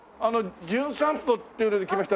『じゅん散歩』っていうので来ましたね